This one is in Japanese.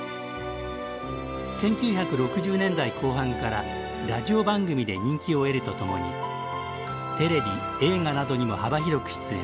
１９６０年代後半からラジオ番組で人気を得るとともにテレビ映画などにも幅広く出演。